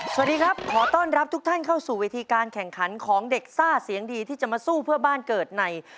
สวัสดีครับขอต้อนรับทุกท่านเข้าสู่เวทีการแข่งขันของเด็กซ่าเสียงดีที่จะมาสู้เพื่อบ้านเกิดใน